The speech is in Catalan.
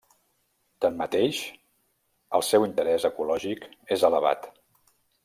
Tanmateix, el seu interès ecològic és elevat.